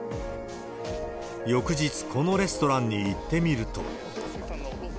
翌日、このレストランに行ってみると。